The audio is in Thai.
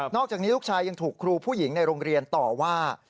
อกจากนี้ลูกชายยังถูกครูผู้หญิงในโรงเรียนต่อว่า